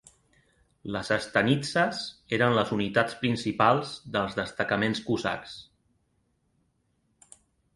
Les stanitsas eren les unitats principals dels destacaments cosacs.